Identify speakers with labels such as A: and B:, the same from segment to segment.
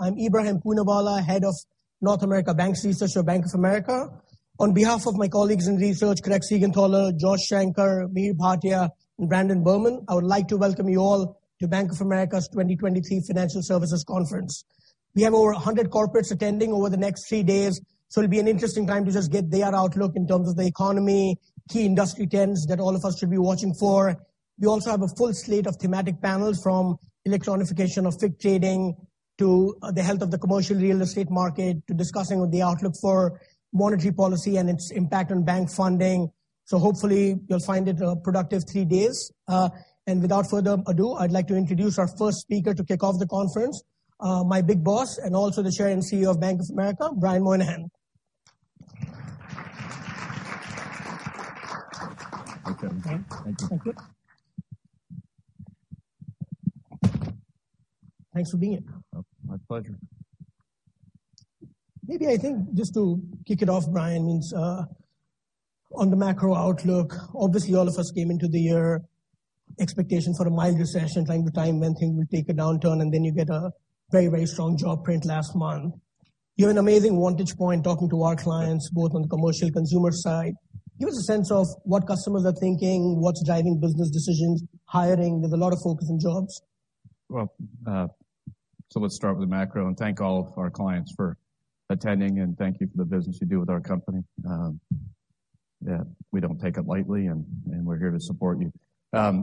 A: I'm Ebrahim Poonawala, head of North America Banks Research of Bank of America. On behalf of my colleagues in research, Craig Siegenthaler, Josh Shanker, Mihir Bhatia, and Matt O'Neill, I would like to welcome you all to Bank of America's 2023 Financial Services Conference. We have over 100 corporates attending over the next three days, so it'll be an interesting time to just get their outlook in terms of the economy, key industry trends that all of us should be watching for. We also have a full slate of thematic panels from electronification of FIG trading to the health of the commercial real estate market, to discussing the outlook for monetary policy and its impact on bank funding. Hopefully you'll find it a productive three days. Without further ado, I'd like to introduce our first speaker to kick off the conference, my big boss and also the Chair and CEO of Bank of America, Brian Moynihan.
B: Welcome.
A: Thank you. Thanks for being here.
B: My pleasure.
A: I think just to kick it off, Brian, it's on the macro outlook. All of us came into the year expectation for a mild recession, trying to time when things would take a downturn. You get a very, very strong job print last month. You have an amazing vantage point talking to our clients, both on the commercial consumer side. Give us a sense of what customers are thinking, what's driving business decisions, hiring. There's a lot of focus on jobs.
B: Let's start with the macro, thank all of our clients for attending, thank you for the business you do with our company. Yeah, we don't take it lightly, and we're here to support you.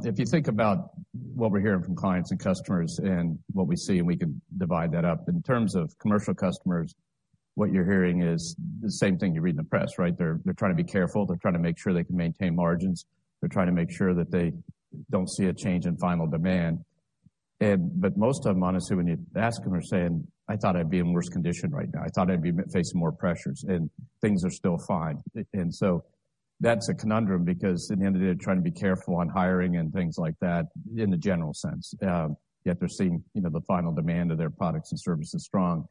B: If you think about what we're hearing from clients and customers and what we see, we can divide that up. In terms of commercial customers, what you're hearing is the same thing you read in the press, right? They're trying to be careful. They're trying to make sure they can maintain margins. They're trying to make sure that they don't see a change in final demand. Most of them, honestly, when you ask them, are saying, "I thought I'd be in worse condition right now. I thought I'd be facing more pressures, and things are still fine." That's a conundrum because at the end of the day, they're trying to be careful on hiring and things like that in a general sense. Yet they're seeing, you know, the final demand of their products and services strong.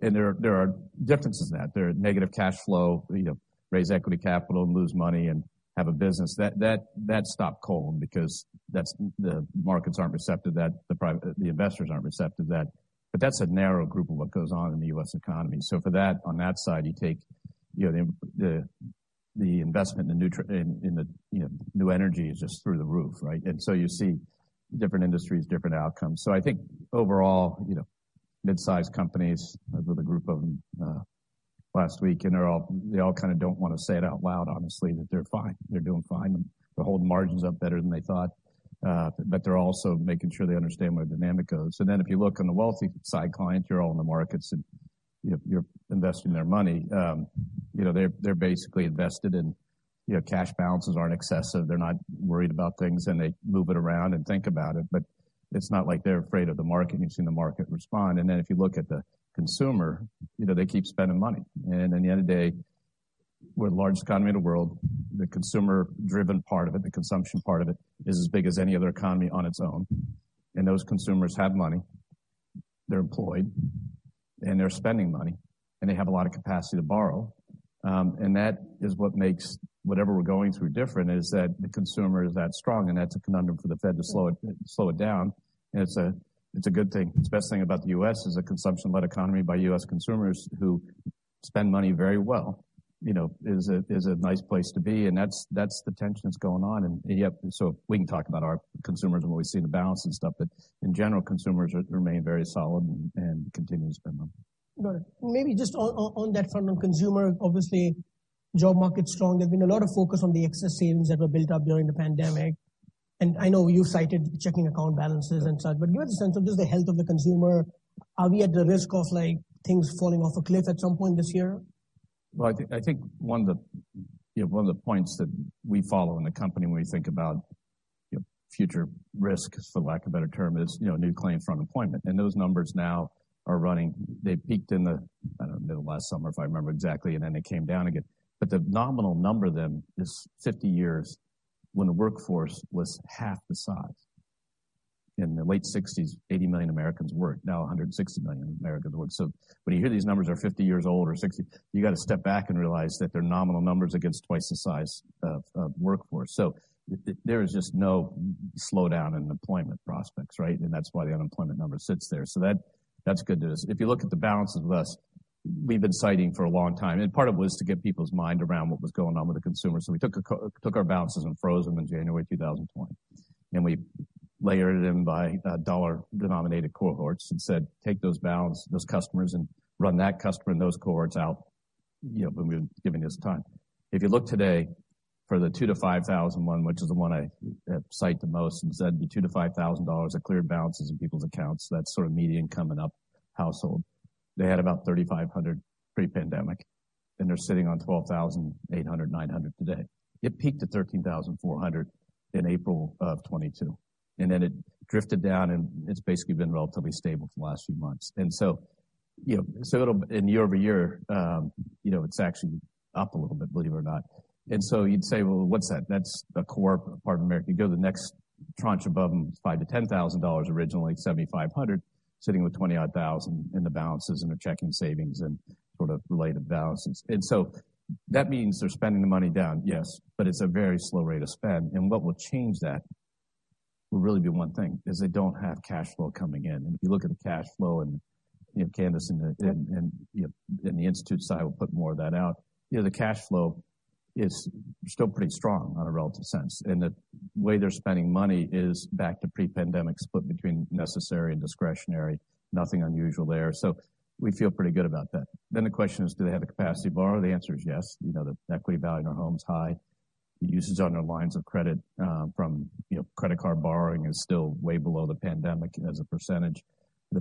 B: There are differences in that. There are negative cash flow, you know, raise equity capital, lose money and have a business. That stopped cold because the markets aren't receptive to that. The investors aren't receptive to that. That's a narrow group of what goes on in the U.S. economy. For that, on that side, you take, you know, the investment in the new energy is just through the roof, right? You see different industries, different outcomes. I think overall, you know, mid-sized companies, I was with a group of them, last week, they all kind of don't want to say it out loud, honestly, that they're fine, they're doing fine. They're holding margins up better than they thought, but they're also making sure they understand where dynamic goes. If you look on the wealthy side, clients, you're all in the markets and you're investing their money, you know, they're basically invested in, you know, cash balances aren't excessive. They're not worried about things, and they move it around and think about it. It's not like they're afraid of the market, and you've seen the market respond. If you look at the consumer, you know, they keep spending money. In the end of the day, we're the largest economy in the world. The consumer-driven part of it, the consumption part of it, is as big as any other economy on its own. Those consumers have money, they're employed, and they're spending money, and they have a lot of capacity to borrow. That is what makes whatever we're going through different, is that the consumer is that strong, and that's a conundrum for the Fed to slow it, slow it down. It's a, it's a good thing. It's the best thing about the U.S. is a consumption-led economy by U.S. consumers who spend money very well, you know, is a, is a nice place to be. That's, that's the tension that's going on. Yep, so we can talk about our consumers and what we see in the balance and stuff. In general, consumers remain very solid and continue to spend money.
A: Got it. Maybe just on that front of consumer, obviously job market's strong. There's been a lot of focus on the excess savings that were built up during the pandemic. I know you cited checking account balances and such. Give us a sense of just the health of the consumer. Are we at the risk of, like, things falling off a cliff at some point this year?
B: Well, I think one of the points that we follow in the company when we think about, you know, future risk, for lack of a better term, is, you know, new claims from employment. Those numbers now are running. They peaked in the, I don't know, middle of last summer, if I remember exactly, and then they came down again. The nominal number then is 50 years when the workforce was half the size. In the late sixties, 80 million Americans worked. Now 160 million Americans work. When you hear these numbers are 50 years old or 60, you got to step back and realize that they're nominal numbers against twice the size of workforce. There is just no slowdown in employment prospects, right? That's why the unemployment number sits there. That, that's good news. If you look at the balances of U.S., we've been citing for a long time, and part of it was to get people's mind around what was going on with the consumer. We took our balances and froze them in January 2020. We layered them by dollar-denominated cohorts and said, "Take those balance, those customers, and run that customer and those cohorts out," you know, when we're giving this time. If you look today for the two to 5,000 one, which is the one I cite the most, and said the $2,000-$5,000 of cleared balances in people's accounts, that sort of median coming up household. They had about $3,500 pre-pandemic, and they're sitting on $12,800-$12,900 today. It peaked at 13,400 in April of 2022, then it drifted down, it's basically been relatively stable for the last few months. You know, year-over-year, you know, it's actually up a little bit, believe it or not. You'd say, "Well, what's that?" That's the core part of America. You go to the next tranche above them is $5,000-$10,000 originally, $7,500 sitting with $20,000-odd in the balances in their checking savings and sort of related balances. That means they're spending the money down, yes, but it's a very slow rate of spend. What will change that will really be one thing is they don't have cash flow coming in. If you look at the cash flow, you know Candace and, you know, and the institute side will put more of that out. You know, the cash flow is still pretty strong on a relative sense. The way they're spending money is back to pre-pandemic split between necessary and discretionary. Nothing unusual there. We feel pretty good about that. The question is, do they have the capacity to borrow? The answer is yes. You know, the equity value in our home is high. The usage on their lines of credit, from, you know, credit card borrowing is still way below the pandemic as a percentage. The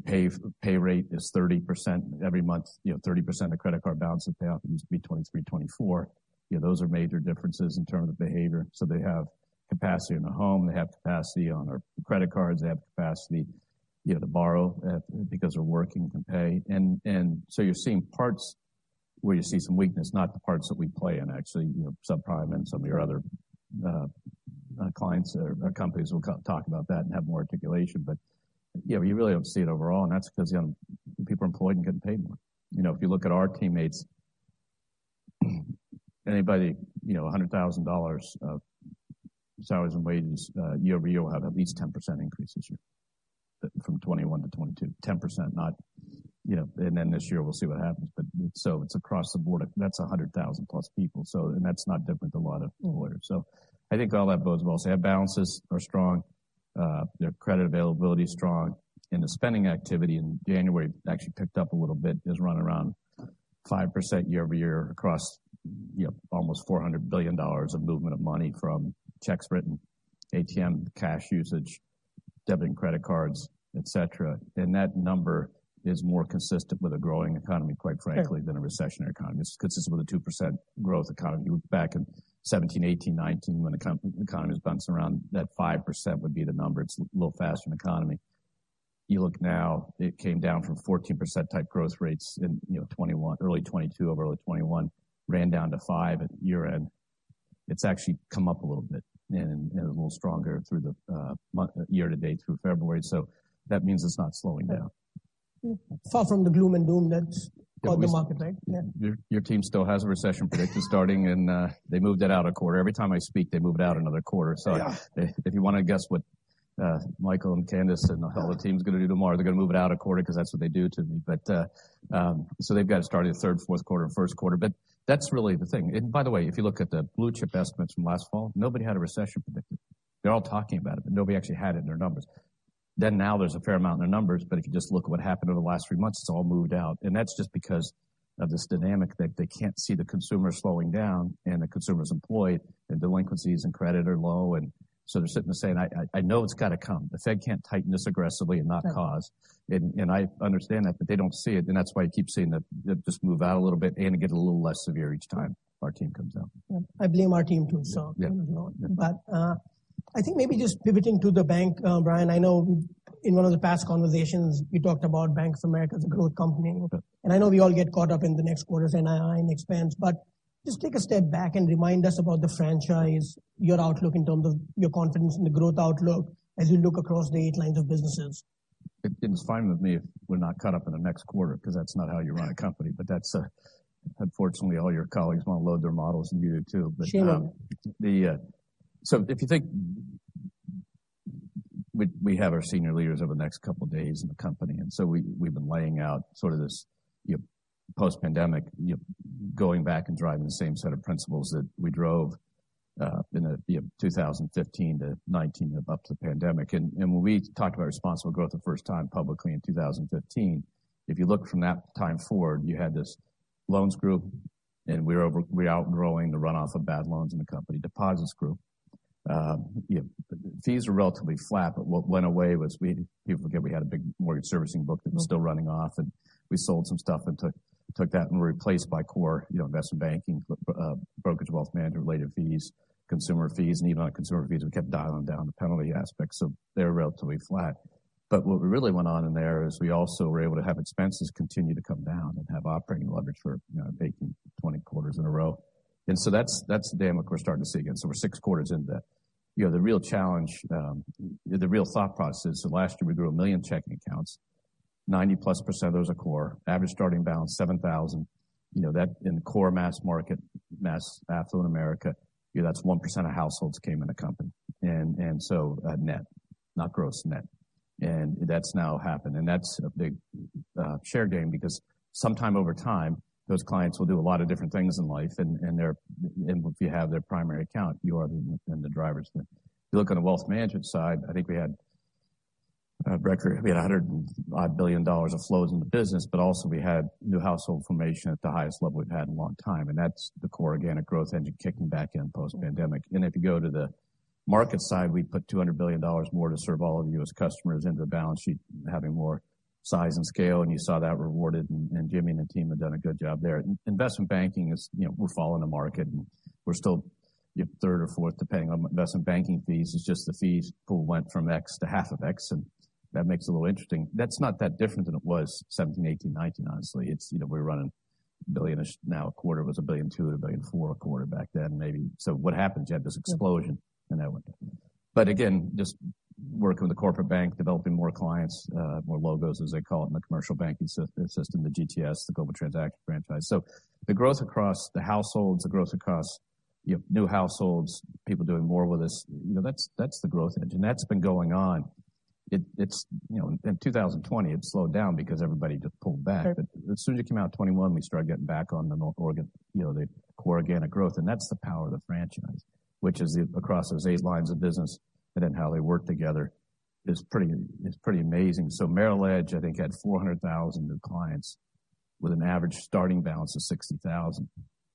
B: pay rate is 30% every month. You know, 30% of credit card balances pay off. It used to be 23, 24. You know, those are major differences in terms of behavior. They have capacity in the home. They have capacity on their credit cards. They have capacity, you know, to borrow because they're working and can pay. You're seeing parts where you see some weakness, not the parts that we play in actually, you know, subprime. Some of your other clients or companies will talk about that and have more articulation. You know, you really don't see it overall. That's because, you know, people are employed and getting paid more. You know, if you look at our teammates. Anybody you know, $100,000 of salaries and wages year-over-year will have at least 10% increase this year from 2021 to 2022. 10%, not you know. This year we'll see what happens. It's across the board. That's 100,000 plus people. That's not different to a lot of employers. I think all that bodes well. Say our balances are strong, their credit availability is strong. The spending activity in January actually picked up a little bit, is running around 5% year-over-year across, you know, almost $400 billion of movement of money from checks written, ATM cash usage, debit and credit cards, et cetera. That number is more consistent with a growing economy, quite frankly.
A: Sure.
B: -than a recessionary economy. It's consistent with a 2% growth economy. Back in 2017, 2018, 2019 when the economy was bouncing around, that 5% would be the number. It's a little faster economy. You look now, it came down from 14% type growth rates in, you know, 2021, early 2022 over early 2021 ran down to 5% at year-end. It's actually come up a little bit and a little stronger through the year to date through February. That means it's not slowing down.
A: Far from the gloom and doom that's called the market, right? Yeah.
B: Your team still has a recession prediction starting. They moved it out a quarter. Every time I speak, they move it out another quarter.
A: Yeah.
B: If you want to guess what Michael and Candace and all the team's going to do tomorrow, they're going to move it out a quarter because that's what they do to me. They've got to start in the third, Q4, Q1. That's really the thing. By the way, if you look at the blue-chip estimates from last fall, nobody had a recession predicted. They're all talking about it, but nobody actually had it in their numbers. Now there's a fair amount in their numbers. If you just look at what happened over the last three months, it's all moved out. That's just because of this dynamic that they can't see the consumer slowing down. The consumer is employed, and delinquencies and credit are low. They're sitting there saying, "I know it's got to come." The Fed can't tighten this aggressively and not cause.
A: Sure.
B: I understand that. They don't see it. That's why I keep seeing that just move out a little bit and get a little less severe each time our team comes out.
A: I blame our team too, so.
B: Yeah.
A: I think maybe just pivoting to the bank. Brian, I know in one of the past conversations, we talked about Bank of America as a growth company.
B: Okay.
A: I know we all get caught up in the next quarter's NII and expense. Just take a step back and remind us about the franchise, your outlook in terms of your confidence in the growth outlook as you look across the eight lines of businesses.
B: It's fine with me if we're not caught up in the next quarter because that's not how you run a company. That's, unfortunately, all your colleagues want to load their models and you do too.
A: Sure.
B: If you think we have our senior leaders over the next couple of days in the company, we've been laying out sort of this, you know, post-pandemic, you know, going back and driving the same set of principles that we drove in, you know, 2015 to 19 up to the pandemic. When we talked about responsible growth the first time publicly in 2015. If you look from that time forward, you had this loans group, and we're outgrowing the run off of bad loans in the company deposits group. you know, fees were relatively flat, but what went away was people forget we had a big mortgage servicing book that was still running off, and we sold some stuff and took that and replaced by core, you know, investment banking, brokerage wealth management related fees, consumer fees, and even on consumer fees, we kept dialing down the penalty aspects, so they're relatively flat. What we really went on in there is we also were able to have expenses continue to come down and have operating leverage for, you know, banking 20 quarters in a row. That's, that's the dam, of course, starting to see again. We're six quarters into that. You know, the real challenge, the real thought process is last year we grew 1 million checking accounts, 90%+ of those are core. Average starting balance, $7,000. You know that in core mass market, mass affluent America, you know, that's 1% of households came in the company. Net, not gross, net. That's now happened. That's a big share gain because sometime over time, those clients will do a lot of different things in life. If you have their primary account, you are the drivers there. If you look on the wealth management side, I think we had a record. We had $100 and odd billion of flows in the business, but also we had new household formation at the highest level we've had in a long time. That's the core organic growth engine kicking back in post-pandemic. If you go to the market side, we put $200 billion more to serve all of you as customers into the balance sheet, having more size and scale. You saw that rewarded. Jimmy and the team have done a good job there. Investment banking is, you know, we're following the market, and we're still third or fourth depending on investment banking fees. It's just the fees pool went from X to half of X, and that makes it a little interesting. That's not that different than it was 17, 18, 19, honestly. It's, you know, we're running $1 billion-ish now a quarter. It was $1.2 billion or $1.4 billion a quarter back then maybe. What happens, you have this explosion in that one. Again, working with the corporate bank, developing more clients, more logos as they call it in the commercial banking system, the GTS, the global transaction franchise. The growth across the households, the growth across, you know, new households, people doing more with us, you know, that's the growth engine. That's been going on. It's, you know, in 2020 it slowed down because everybody just pulled back. As soon as it came out in 2021 we started getting back on the NorOrg, you know, the core organic growth. That's the power of the franchise, which is across those 8 lines of business, and then how they work together is pretty amazing. Merrill Edge I think had 400,000 new clients with an average starting balance of $60,000.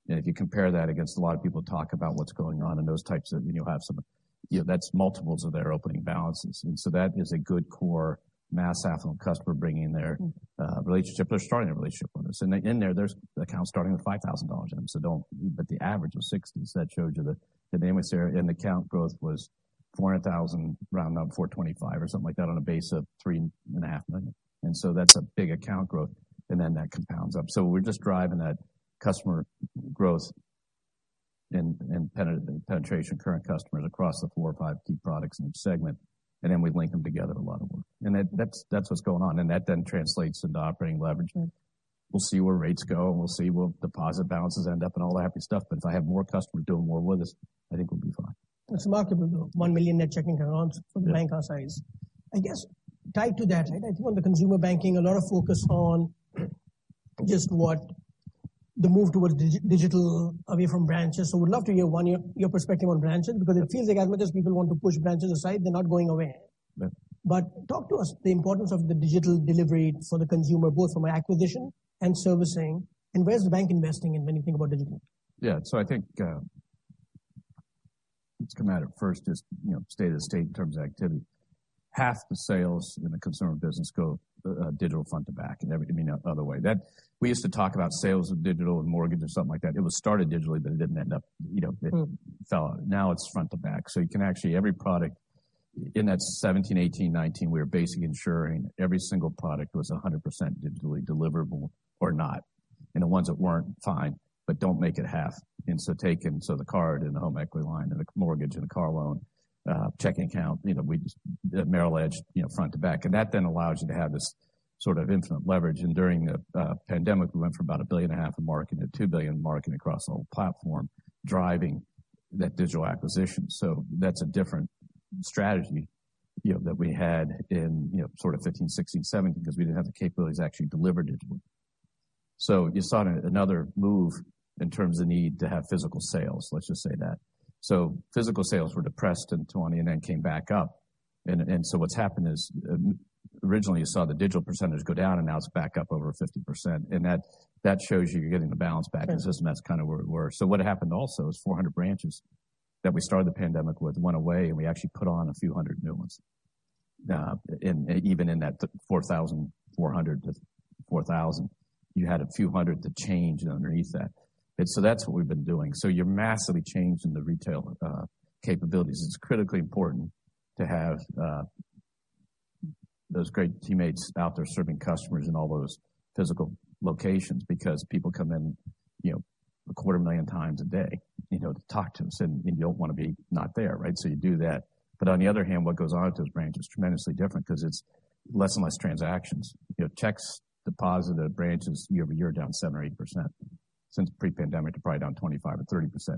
B: If you compare that against a lot of people talk about what's going on in those types of, have some, that's multiples of their opening balances. That is a good core mass affluent customer bringing their relationship. They're starting a relationship with us. In there there's accounts starting with $5,000 in them. Don't but the average of 60, so that shows you the name is there. Account growth was 400,000, round up to 425 or something like that on a base of $3.5 million. That's a big account growth. Then that compounds up. We're just driving that customer growth and penetration current customers across the 4 or 5 key products in each segment. Then we link them together a lot of work. That's what's going on. That then translates into operating leverage. We'll see where rates go, and we'll see will deposit balances end up and all that happy stuff. If I have more customers doing more with us, I think we'll be fine.
A: That's remarkable though. 1 million net checking accounts for the bank our size. I guess tied to that, right, I think on the consumer banking a lot of focus on just what the move towards digital away from branches. would love to hear, one, your perspective on branches. it feels like as much as people want to push branches aside, they're not going away.
B: Yeah.
A: Talk to us the importance of the digital delivery for the consumer, both from an acquisition and servicing. Where's the bank investing in when you think about digital?
B: Yeah. I think what's come out at first is, you know, state of the state in terms of activity. Half the sales in the consumer business go digital front to back. Every, I mean, other way. That we used to talk about sales of digital and mortgage or something like that. It was started digitally, it didn't end up, you know, it fell out. Now it's front to back. You can actually every product in that 17, 18, 19 we were basically ensuring every single product was 100% digitally deliverable or not. The ones that weren't, fine, don't make it half. Taken, the card and the home equity line, and the mortgage and the car loan, checking account, you know, Merrill Edge, you know, front to back. That then allows you to have this sort of infinite leverage. During the pandemic, we went from about $1.5 billion of marketing to $2 billion marketing across the whole platform, driving that digital acquisition. That's a different strategy, you know, that we had in, you know, sort of 15, 16, 17 because we didn't have the capabilities to actually deliver digitally. You saw another move in terms of need to have physical sales. Let's just say that. Physical sales were depressed in 2020 and then came back up. What's happened is originally you saw the digital percentage go down, and now it's back up over 50%. That shows you you're getting the balance back in the system. That's kind of where we were. What happened also is 400 branches that we started the pandemic with went away, and we actually put on a few hundred new ones. Even in that 4,400-4,000, you had a few hundred to change underneath that. That's what we've been doing. You're massively changing the retail capabilities. It's critically important to have those great teammates out there serving customers in all those physical locations because people come in, you know, a quarter million times a day, you know, to talk to them. You don't want to be not there, right? You do that. On the other hand, what goes on at those branches is tremendously different because it's less and less transactions. You know, checks deposited at branches year-over-year are down 7% or 8%. Since pre-pandemic, they're probably down 25% or 30%.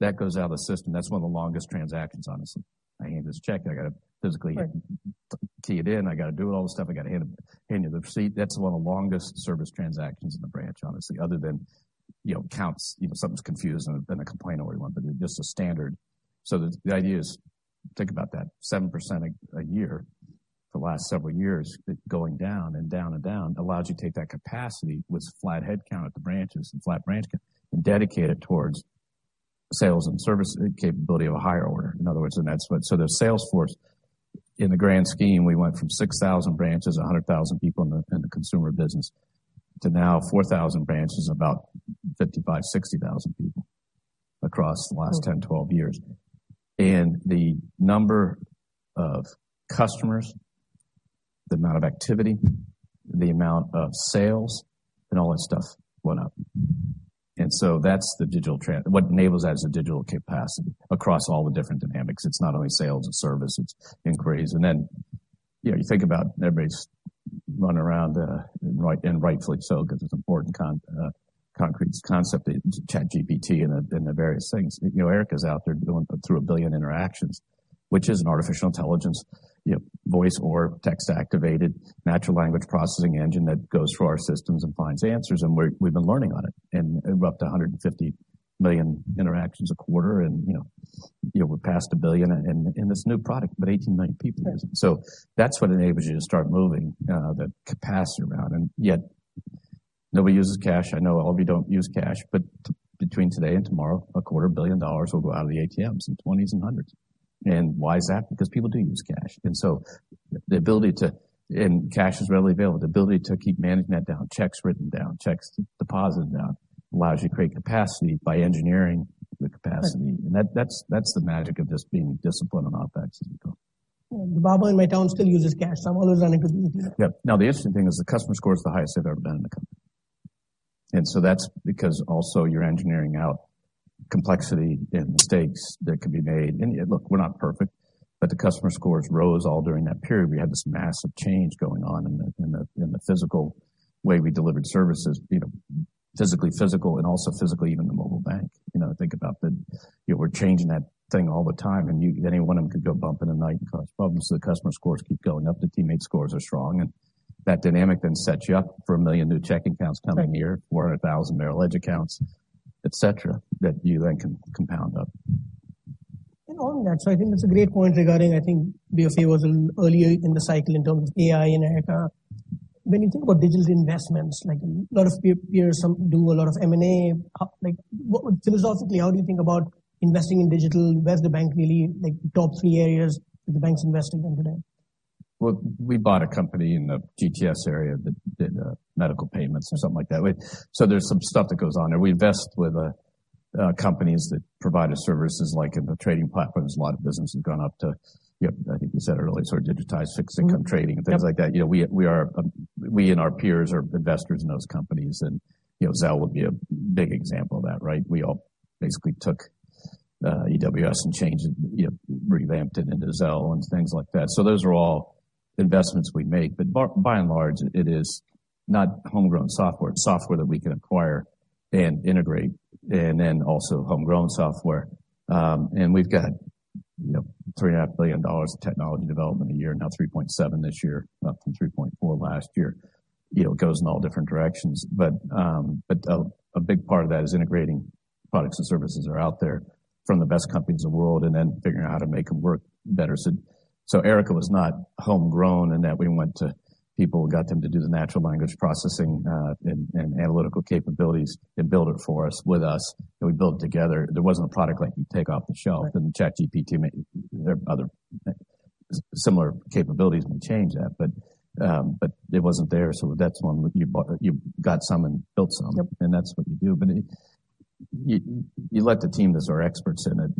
B: That goes out of the system. That's one of the longest transactions, honestly. I hand this check, I got to physically key it in. I got to do all this stuff. I got to hand you the receipt. That's one of the longest service transactions in the branch, honestly. Other than, you know, counts, you know, something's confused and a complaint or what you want. Just a standard. The idea is think about that, 7% a year for the last several years going down and down and down allows you to take that capacity with flat headcount at the branches and flat branch count, and dedicate it towards sales and service capability of a higher order. In other words, that's what the sales force in the grand scheme, we went from 6,000 branches to 100,000 people in the consumer business to now 4,000 branches, about 55,000-60,000 people across the last 10-12 years. The number of customers, the amount of activity, the amount of sales and all that stuff went up. That's the digital trend. What enables that is the digital capacity across all the different dynamics. It's not only sales and service, it's inquiries. Then, you know, you think about everybody's running around, and rightfully so because it's important concrete concept, ChatGPT and the various things. You know, Erica's out there doing through 1 billion interactions, which is an artificial intelligence, you know, voice or text activated natural language processing engine that goes through our systems and finds answers. We've been learning on it. We're up to 150 million interactions a quarter. You know, you know we're past 1 billion in this new product with 18 million people using it. That's what enables you to start moving the capacity around. Yet nobody uses cash. I know all of you don't use cash. Between today and tomorrow, a quarter billion dollars will go out of the ATMs in twenties and hundreds. Why is that? Because people do use cash. The ability to and cash is readily available. The ability to keep managing that down, checks written down, checks deposited down allows you to create capacity by engineering the capacity. That's the magic of just being disciplined on OpEx as we call it.
A: The barber in my town still uses cash, so I'm always running to the ATM.
B: The interesting thing is the customer score is the highest they've ever been in the company. That's because also you're engineering out complexity and mistakes that can be made. Yet, look, we're not perfect, but the customer scores rose all during that period. We had this massive change going on in the physical way we delivered services, you know, physically physical, and also physically even the mobile bank. You know, think about that. You know, we're changing that thing all the time, and any one of them could go bump in a night and cause problems. The customer scores keep going up, the teammate scores are strong. That dynamic then sets you up for 1 million new checking accounts coming near 400,000 Merrill Edge accounts, et cetera, that you then can compound up.
A: On that. I think that's a great point regarding, I think BofA was earlier in the cycle in terms of AI and Erica. When you think about digital investments, like a lot of peers do a lot of M&A. Philosophically, how do you think about investing in digital? Where's the bank really, like the top three areas that the bank's investing in today?
B: Well, we bought a company in the GTS area that did medical payments or something like that. There's some stuff that goes on there. We invest with companies that provide us services, like in the trading platforms. A lot of businesses have gone up to, you know, I think you said earlier, sort of digitized fixed income trading and things like that. You know, we and our peers are investors in those companies. You know, Zelle would be a big example of that, right? We all basically took EWS and changed it, you know, revamped it into Zelle and things like that. Those are all investments we make. By and large, it is not homegrown software. It's software that we can acquire and integrate, and then also homegrown software. We've got, you know, $3.5 billion of technology development a year now, $3.7 this year, up from $3.4 last year. You know, it goes in all different directions. A big part of that is integrating products and services that are out there from the best companies in the world and then figuring out how to make them work better. Erica was not homegrown in that we went to people and got them to do the natural language processing and analytical capabilities and build it for us, with us, and we built it together. There wasn't a product like you take off the shelf and ChatGPT there are other similar capabilities may change that. It wasn't there. That's one you got some and built some.
A: Yep.
B: That's what you do. You let the team that are experts in it,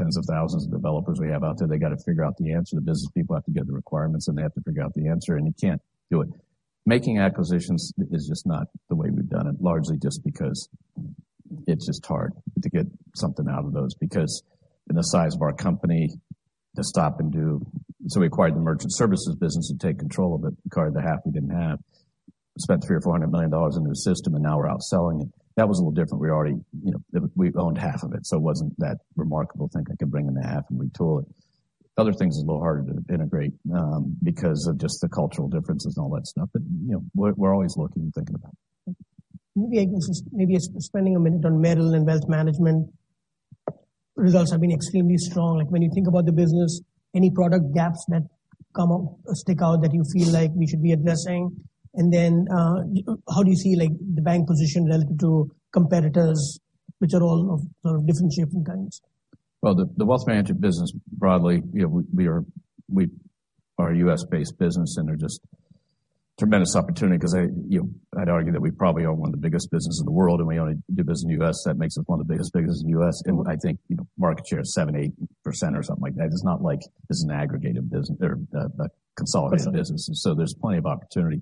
B: you know, the tens of thousands of developers we have out there, they got to figure out the answer. The business people have to get the requirements, and they have to figure out the answer, and you can't do it. Making acquisitions is just not the way we've done it, largely just because it's just hard to get something out of those. In the size of our company, we acquired the merchant services business to take control of it, acquired the half we didn't have, spent $300 million-$400 million into the system, and now we're out selling it. That was a little different. We already you know, we owned half of it, so it wasn't that remarkable to think I could bring in the half and retool it. Other things are a little harder to integrate, because of just the cultural differences and all that stuff. You know, we're always looking and thinking about it.
A: Maybe I can spending a minute on Merrill and wealth management. Results have been extremely strong. Like when you think about the business, any product gaps that stick out that you feel like we should be addressing? How do you see like the bank position relative to competitors, which are all of sort of different shapes and kinds?
B: The wealth management business broadly, you know, we are a U.S.-based business. They're just tremendous opportunity because you know, I'd argue that we probably own one of the biggest businesses in the world, and we only do business in the U.S. That makes us one of the biggest businesses in the U.S. I think, you know, market share is 7%, 8% or something like that. It's not like it's an aggregated business or a consolidated business. There's plenty of opportunity.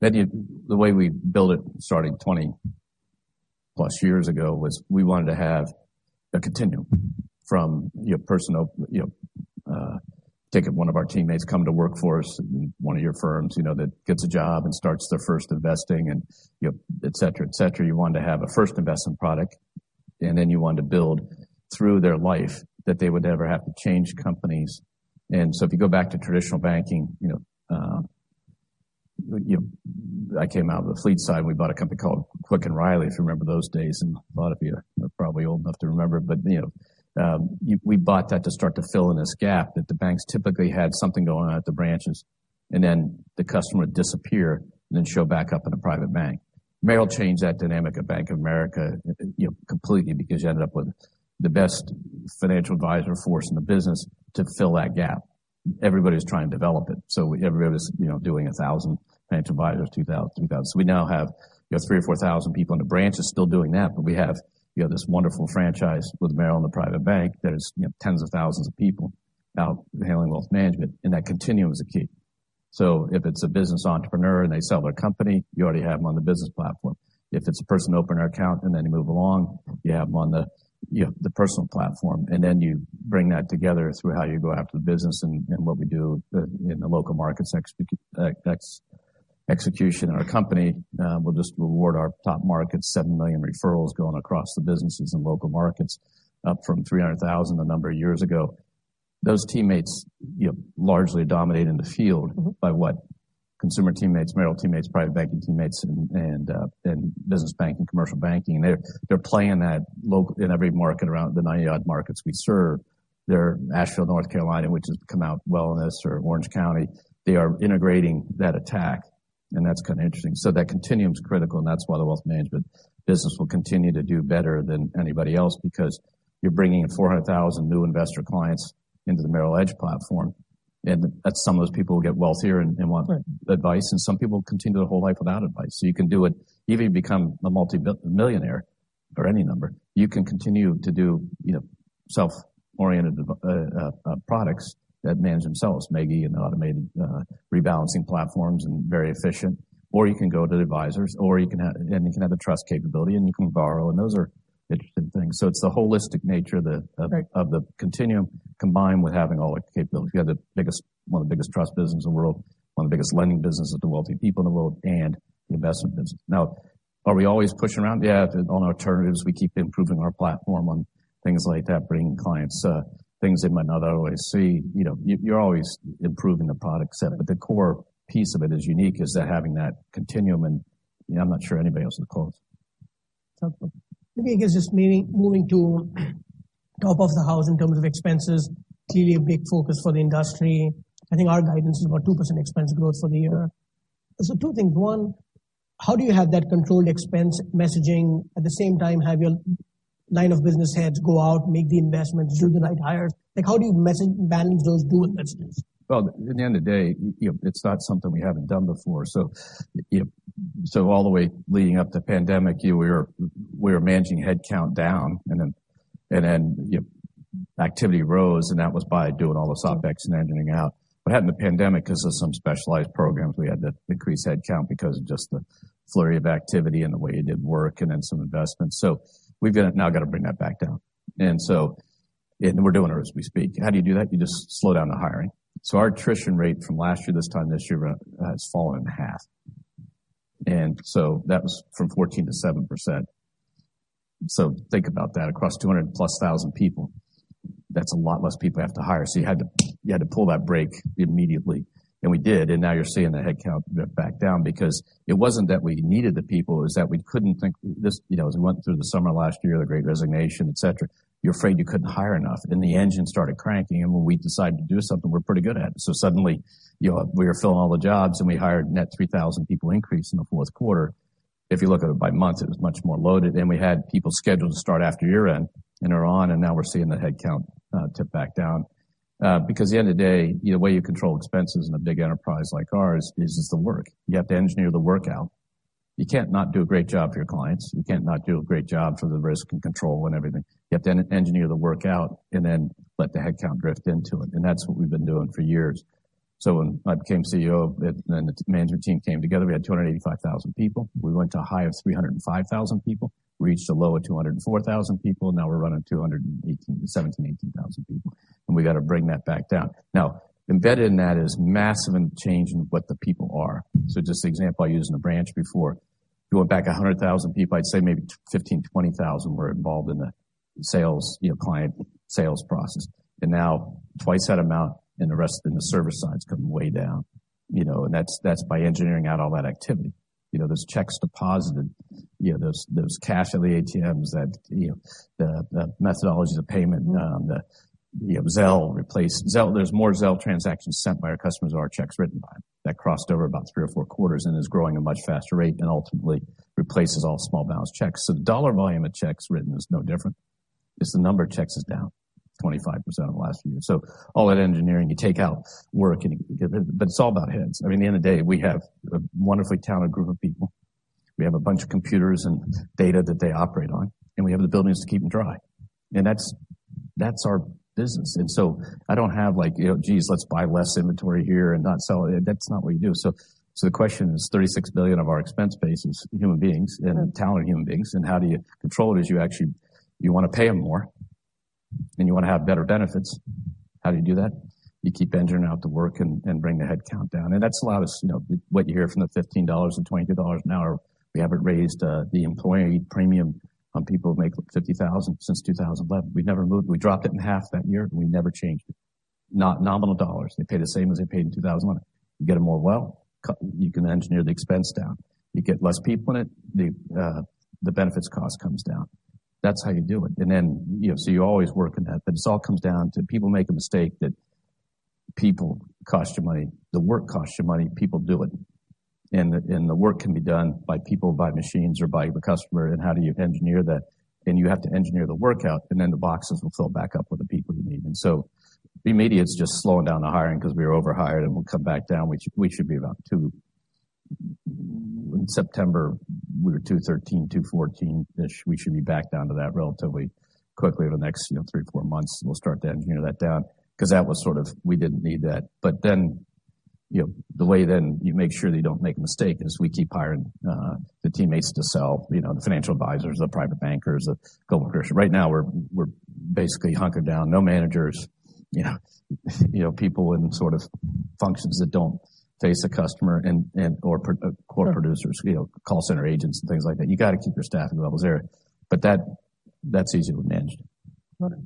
B: The way we built it starting 20-plus years ago was we wanted to have a continuum from, you know, personal, you know, take one of our teammates come to work for us, one of your firms, you know, that gets a job and starts their first investing and, you know, et cetera, et cetera. You want to have a first investment product, and then you want to build through their life that they would never have to change companies. If you go back to traditional banking, you know, I came out of the Fleet side. We bought a company called Quick & Reilly, if you remember those days. A lot of you are probably old enough to remember. You know, we bought that to start to fill in this gap that the banks typically had something going on at the branches, and then the customer would disappear and then show back up in a private bank. Merrill changed that dynamic at Bank of America, you know, completely because you ended up with the best financial advisor force in the business to fill that gap. Everybody's trying to develop it. Everybody was, you know, doing 1,000 financial advisors, 2,000, 3,000. We now have, you know, 3,000 or 4,000 people in the branches still doing that. We have, you know, this wonderful franchise with Merrill and the private bank that is, you know, tens of thousands of people now handling wealth management. That continuum is the key. If it's a business entrepreneur and they sell their company, you already have them on the business platform. If it's a person opening our account and then you move along, you have them on the, you know, the personal platform, and then you bring that together through how you go after the business. What we do in the local markets ex-execution in our company, we'll just reward our top markets, $7 million referrals going across the businesses and local markets, up from $300,000 a number of years ago. Those teammates, you know, largely dominate in the field by what consumer teammates, Merrill teammates, private banking teammates and business banking, commercial banking. They're playing that local in every market around the 90 odd markets we serve. They're Asheville, North Carolina, which has come out well in this, or Orange County. They are integrating that attack, that's kind of interesting. That continuum is critical, and that's why the wealth management business will continue to do better than anybody else, because you're bringing in 400,000 new investor clients into the Merrill Edge platform. That's some of those people who get wealthier and want advice. Some people continue their whole life without advice. You can do it. Even if you become a multi-millionaire or any number. You can continue to do, you know, self-oriented products that manage themselves, maybe in automated rebalancing platforms and very efficient. You can go to the advisors or you can have, and you can have a trust capability, and you can borrow, and those are interesting things. It's the holistic nature.
A: Right.
B: Of the continuum combined with having all the capabilities. You have one of the biggest trust business in the world, one of the biggest lending businesses to wealthy people in the world, and the investment business. Are we always pushing around? Yeah. On alternatives, we keep improving our platform on things like that, bringing clients, things they might not always see. You know, you're always improving the product set. The core piece of it is unique is that having that continuum, and I'm not sure anybody else is close.
A: Maybe I guess just moving to top of the house in terms of expenses, clearly a big focus for the industry. I think our guidance is about 2% expense growth for the year. Two things. One, how do you have that controlled expense messaging at the same time, have your line of business heads go out, make the investments, do the right hires? Like, how do you message balance those dual messages?
B: Well, at the end of the day, you know, it's not something we haven't done before. You know, all the way leading up to pandemic, we were managing headcount down, and then, you know, activity rose, and that was by doing all the soft banks and engineering out. Having the pandemic, because of some specialized programs, we had to increase headcount because of just the flurry of activity and the way you did work and then some investments. We've got to now bring that back down. We're doing it as we speak. How do you do that? You just slow down the hiring. Our attrition rate from last year, this time this year has fallen in half. That was from 14% to 7%. Think about that. Across 200+ thousand people, that's a lot less people have to hire. You had to, you had to pull that brake immediately, and we did. Now you're seeing the headcount back down because it wasn't that we needed the people, is that we couldn't think this. You know, as we went through the summer last year, the Great Resignation, et cetera, you're afraid you couldn't hire enough. The engine started cranking, and we decided to do something we're pretty good at. Suddenly, you know, we were filling all the jobs, and we hired net 3,000 people increase in the Q4. If you look at it by month, it was much more loaded. We had people scheduled to start after year-end and are on. Now we're seeing the headcount tip back down because at the end of the day, the way you control expenses in a big enterprise like ours is just the work. You have to engineer the work out. You can't not do a great job for your clients. You can't not do a great job for the risk and control and everything. You have to engineer the work out and then let the headcount drift into it. That's what we've been doing for years. When I became CEO, the management team came together. We had 285,000 people. We went to a high of 305,000 people, reached a low of 204,000 people. Now we're running 218, 17, 18 thousand people, and we got to bring that back down. Just the example I used in the branch before, you went back 100,000 people, I'd say maybe 15,000-20,000 were involved in the sales, you know, client sales process, and now 2x that amount. The rest in the service side has come way down. You know, that's by engineering out all that activity. You know, those checks deposited, you know, those cash at the ATMs that, you know, the methodologies of payment, the Zelle replace. Zelle, there's more Zelle transactions sent by our customers are checks written by them. That crossed over about three to four quarters and is growing a much faster rate and ultimately replaces all small balance checks. The dollar volume of checks written is no different. It's the number of checks is down 25% in the last few years. All that engineering, you take out work, but it's all about heads. I mean, at the end of the day, we have a wonderfully talented group of people. We have a bunch of computers and data that they operate on, and we have the buildings to keep them dry. That's our business. I don't have like, you know, geez, let's buy less inventory here and not sell. That's not what you do. The question is $36 billion of our expense base is human beings and talented human beings, and how do you control it is you actually, you want to pay them more, and you want to have better benefits. How do you do that? You keep engineering out the work and bring the headcount down. That's a lot of, you know, what you hear from the $15 and $22 an hour. We haven't raised the employee premium on people who make $50,000 since 2011. We've never moved. We dropped it in half that year, and we never changed it. Not nominal dollars. They pay the same as they paid in 2011. You get them more well, you can engineer the expense down. You get less people in it, the benefits cost comes down. That's how you do it. You always work in that. It all comes down to people make a mistake that people cost you money, the work costs you money, people do it. The work can be done by people, by machines, or by the customer. How do you engineer that? You have to engineer the work out, and then the boxes will fill back up with the people you need. The immediate is just slowing down the hiring because we were over hired, and we'll come back down. We should be about two. In September, we were 213, 214-ish. We should be back down to that relatively quickly over the next, you know, three or four months. We'll start to engineer that down because that was sort of, we didn't need that. Then, you know, the way then you make sure that you don't make a mistake is we keep hiring, the teammates to sell, you know, the financial advisors, the private bankers, the coworkers. Right now we're basically hunkered down. No managers, you know, you know, people in sort of functions that don't face a customer and or core producers, you know, call center agents and things like that. You got to keep your staffing levels there. That, that's easily managed.
A: Got it.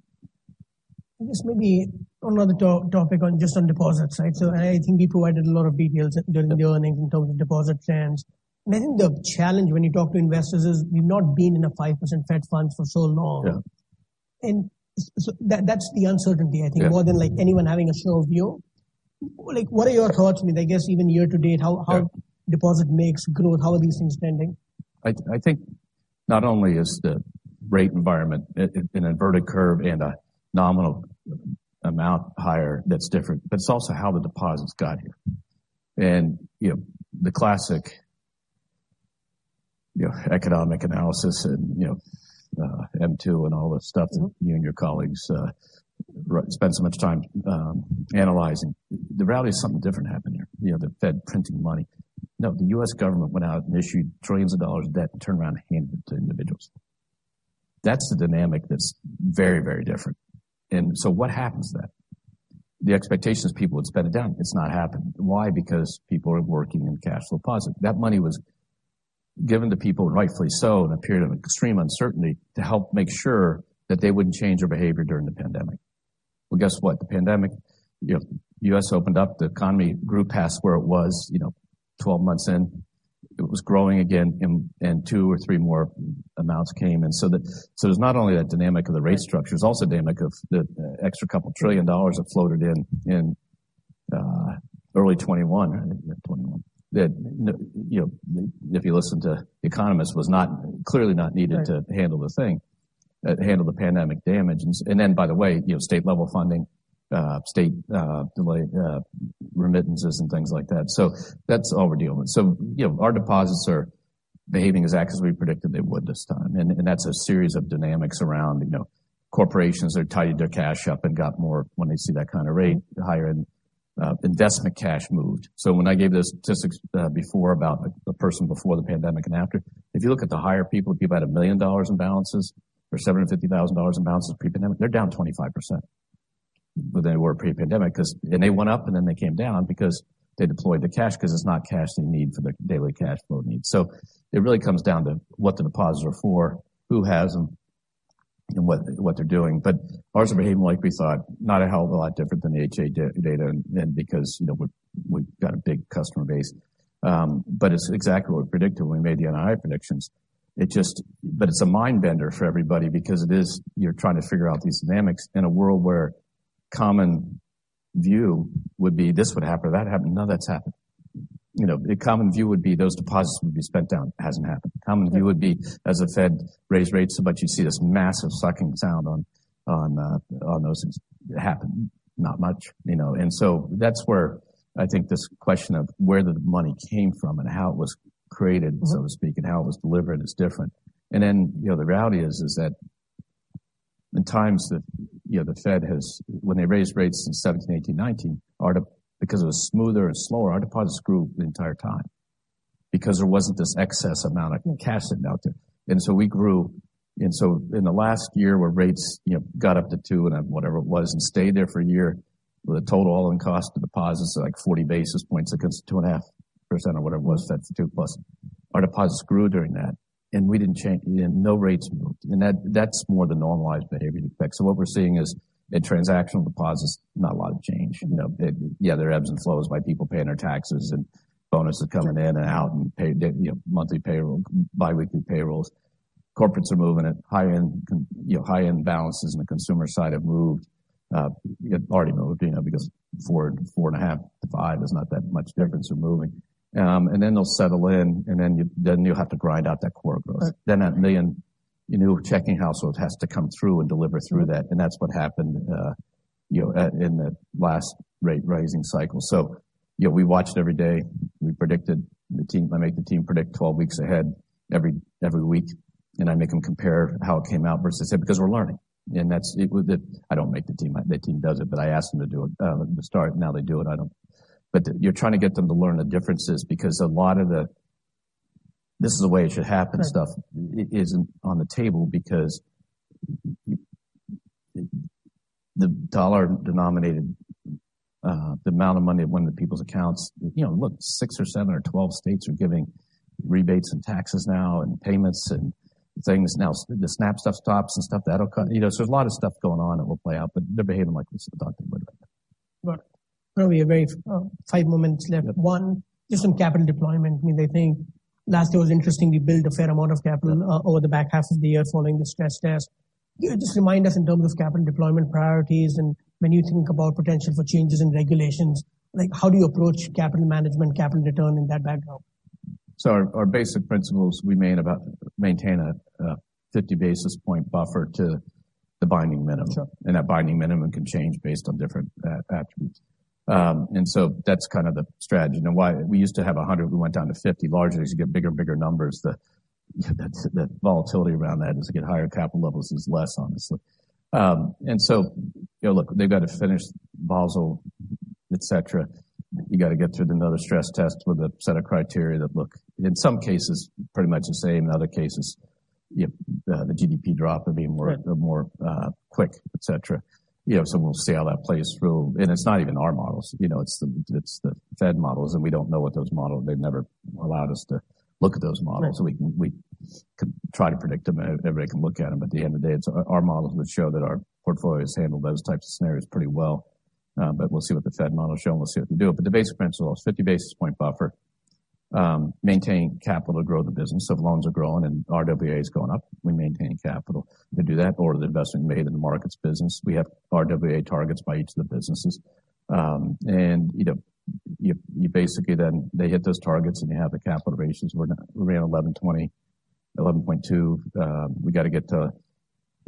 A: I guess maybe on another to-topic on just on deposits, right? I think you provided a lot of details during the earnings in terms of deposit trends. I think the challenge when you talk to investors is you've not been in a 5% Fed funds for so long.
B: Yeah.
A: That's the uncertainty, I think, more than like anyone having a sure view. Like, what are your thoughts? I mean, I guess even year to date, how deposit makes growth, how are these things trending?
B: I think not only is the rate environment an inverted curve and a nominal amount higher that's different, but it's also how the deposits got here. You know, the classic, you know, economic analysis and, you know, M2 and all that stuff that you and your colleagues spend so much time analyzing. The reality is something different happened here. You know, the Fed printing money. No, the U.S. government went out and issued trillions of dollars of debt and turned around and handed it to individuals. That's the dynamic that's very, very different. What happens then? The expectation is people would spend it down. It's not happened. Why? Because people are working in cash flow positive. That money was given to people, rightfully so, in a period of extreme uncertainty to help make sure that they wouldn't change their behavior during the pandemic. Well, guess what? The pandemic, you know, U.S. opened up, the economy grew past where it was, you know, 12 months in. It was growing again, and two or three more amounts came. There's not only that dynamic of the rate structure, there's also a dynamic of the extra $2 trillion that floated in early 2021, I think mid 2021. That, you know, if you listen to economists, was clearly not needed to handle the thing, handle the pandemic damage. And then by the way, you know, state level funding, state delayed remittances and things like that. That's all we're dealing with. You know, our deposits are behaving exactly as we predicted they would this time. That's a series of dynamics around, you know, corporations that tidied their cash up and got more when they see that kind of rate, the higher end, investment cash moved. When I gave the statistics before about the person before the pandemic and after. If you look at the higher people had $1 million in balances or $750,000 in balances pre-pandemic, they're down 25% than they were pre-pandemic and they went up, and then they came down because they deployed the cash because it's not cash they need for their daily cash flow needs. It really comes down to what the deposits are for, who has them, and what they're doing. Ours are behaving like we thought, not a hell of a lot different than the H.8 data and because, you know, we've got a big customer base. It's exactly what we predicted when we made the NII predictions. It just, but it's a mind bender for everybody because it is, you're trying to figure out these dynamics in a world where common view would be this would happen or that happened. None of that's happened. You know, the common view would be those deposits would be spent down. It hasn't happened. Common view would be as the Fed raised rates so much, you see this massive sucking sound on those things happen. Not much, you know. That's where I think this question of where the money came from and how it was created, so to speak, and how it was delivered is different. You know, the reality is that in times that, you know, the Fed when they raised rates in 2017, 2018, 2019, our deposits because it was smoother and slower, our deposits grew the entire time because there wasn't this excess amount of cash sitting out there. We grew. In the last year where rates, you know, got up to two and whatever it was, and stayed there for a year with a total all-in cost of deposits of like 40 basis points against 2.5% or whatever it was, that's two plus. Our deposits grew during that, and we didn't change, no rates moved. That's more the normalized behavior you'd expect. What we're seeing is in transactional deposits, not a lot of change. You know, yeah, there are ebbs and flows by people paying their taxes and bonuses coming in and out and pay, you know, monthly payroll, biweekly payrolls. Corporates are moving at high-end, you know, high-end balances on the consumer side have moved, already moved, you know, because four and a half to five is not that much difference of moving. Then they'll settle in, and then you'll have to grind out that core growth. That 1 million new checking household has to come through and deliver through that. That's what happened, you know, in the last rate raising cycle. You know, we watched every day. We predicted I make the team predict 12 weeks ahead every week, I make them compare how it came out versus it, because we're learning. I don't make the team. The team does it, but I ask them to do it. To start, now they do it. I don't. You're trying to get them to learn the differences because a lot of the this is the way it should happen stuff isn't on the table because the dollar denominated, the amount of money that went into people's accounts. You know, look, six or seven or 12 states are giving rebates and taxes now and payments and things now. The SNAP stuff stops and stuff that'll cut. You know, there's a lot of stuff going on that will play out, but they're behaving like we said they would.
A: Early, five more minutes left. One, just on capital deployment. I mean, I think last year was interesting. We built a fair amount of capital over the back half of the year following the stress test. Can you just remind us in terms of capital deployment priorities and when you think about potential for changes in regulations, like how do you approach capital management, capital return in that backdrop?
B: Our basic principles, we maintain a 50 basis point buffer to the binding minimum.
A: Sure.
B: That binding minimum can change based on different attributes. That's kind of the strategy. We used to have 100, we went down to 50. Largely as you get bigger and bigger numbers, the volatility around that as you get higher capital levels is less honestly. You know, look, they've got to finish Basel, et cetera. You got to get through another stress test with a set of criteria that look in some cases pretty much the same. In other cases, you know, the GDP drop would be more quick, et cetera. You know, we'll see how that plays through. It's not even our models, you know, it's the Fed models, and we don't know what those models. They've never allowed us to look at those models. We could try to predict them. Everybody can look at them. At the end of the day, it's our models would show that our portfolios handle those types of scenarios pretty well. We'll see what the Fed models show, and we'll see what they do. The basic principle is 50 basis point buffer, maintain capital to grow the business. If loans are growing and RWA is going up, we maintain capital. We do that or the investment made in the markets business. We have RWA targets by each of the businesses. You know, you basically then they hit those targets, and you have the capital ratios. We're around 11.2. We gotta get to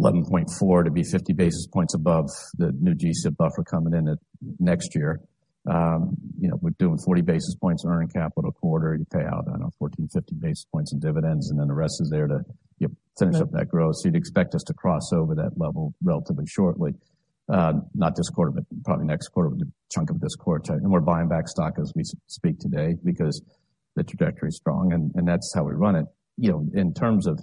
B: 11.4 to be 50 basis points above the new GSIB buffer coming in at next year. You know, we're doing 40 basis points earning capital a quarter. You pay out, I don't know, 14, 50 basis points in dividends, and then the rest is there to, you know, finish up that growth. You'd expect us to cross over that level relatively shortly. Not this quarter, but probably next quarter with a chunk of this quarter. We're buying back stock as we speak today because the trajectory is strong, and that's how we run it. You know, in terms of,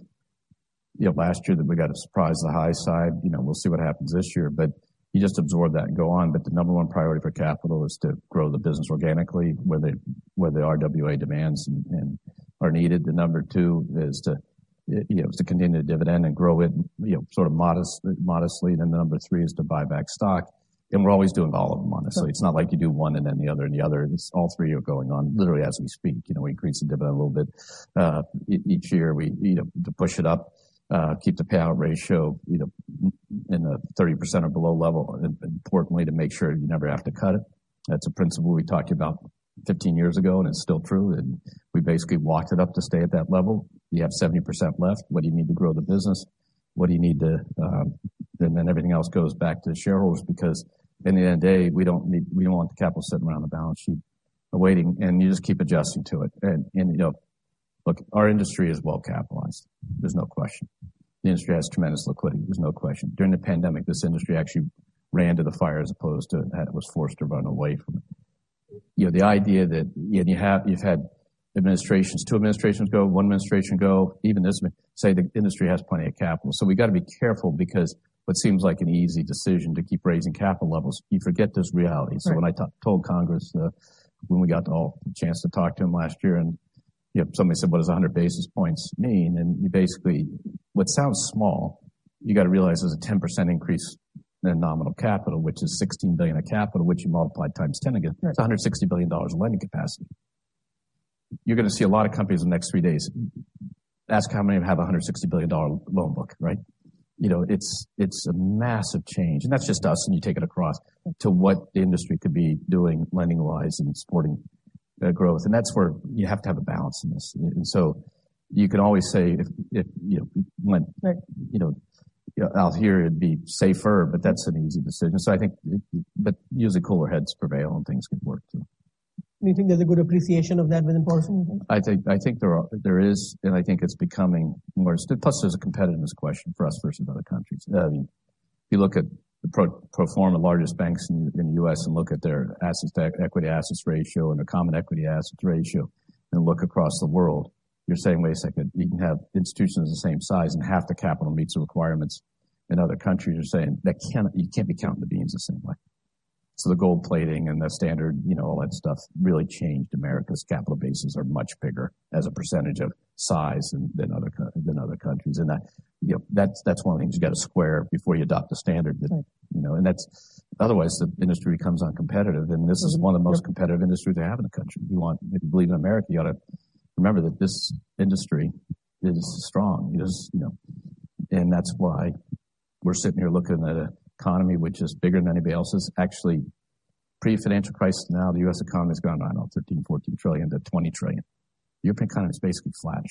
B: you know, last year that we got a surprise the high side, you know, we'll see what happens this year, but you just absorb that and go on. The number 1 priority for capital is to grow the business organically where the RWA demands and are needed. The number 2 is to, you know, continue the dividend and grow it, you know, sort of modestly. Number 3 is to buy back stock. We're always doing all of them, honestly. It's not like you do one and then the other and the other. It's all 3 are going on literally as we speak. You know, we increase the dividend a little bit, each year. We, you know, to push it up, keep the payout ratio, you know, in a 30% or below level, importantly, to make sure you never have to cut it. That's a principle we talked about 15 years ago, and it's still true, and we basically walked it up to stay at that level. You have 70% left. What do you need to grow the business? What do you need to... Everything else goes back to shareholders because at the end of the day, we don't want the capital sitting around the balance sheet waiting, and you just keep adjusting to it. You know, look, our industry is well-capitalized. There's no question. The industry has tremendous liquidity. There's no question. During the pandemic, this industry actually ran to the fire as opposed to was forced to run away from it. You know, the idea that, you know, you've had administrations, two administrations ago, one administration ago, even this one say the industry has plenty of capital. We gotta be careful because what seems like an easy decision to keep raising capital levels, you forget those realities.
C: Right.
B: When I told Congress, when we got all the chance to talk to them last year, you know, somebody said, "What does 100 basis points mean?" You basically, what sounds small, you gotta realize there's a 10% increase in the nominal capital, which is $16 billion of capital, which you multiply times 10 again.
C: Right.
B: It's $160 billion in lending capacity. You're gonna see a lot of companies in the next three days ask how many have a $160 billion loan book, right? You know, it's a massive change. That's just us, and you take it across to what the industry could be doing, lending wise and supporting growth. That's where you have to have a balance in this. You can always say if, you know.
C: Right.
B: You know, out here it'd be safer, but that's an easy decision. Usually cooler heads prevail and things can work too.
C: Do you think there's a good appreciation of that within policy?
B: I think there is, and I think it's becoming more plus there's a competitiveness question for us versus other countries. I mean, if you look at the pro forma largest banks in the U.S. and look at their assets to equity assets ratio and their common equity assets ratio and look across the world, you're saying, "Wait a second. You can have institutions the same size and half the capital meets the requirements in other countries." You're saying you can't be counting the beans the same way. The gold plating and the standard, you know, all that stuff really changed. America's capital bases are much bigger as a percentage of size than other countries. That, you know, that's one of the things you gotta square before you adopt a standard that, you know.
C: Right.
B: That's otherwise the industry becomes uncompetitive, and this is one of the most competitive industries they have in the country. If you want to believe in America, you gotta remember that this industry is strong.
C: Mm-hmm.
B: You know, That's why we're sitting here looking at a economy which is bigger than anybody else's. Actually, pre-financial crisis now, the U.S. economy's gone, I don't know, 13, 14 trillion to 20 trillion. The European economy is basically flat.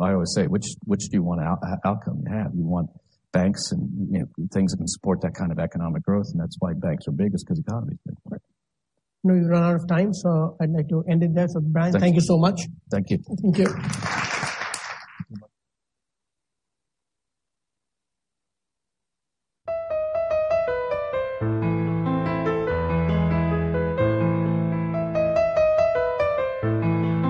B: I always say, which do you want outcome to have? You want banks and, you know, things that can support that kind of economic growth, and that's why banks are big is 'cause the economy's been growing.
C: No, we've run out of time, so I'd like to end it there. Brian, thank you so much.
B: Thank you.
C: Thank you.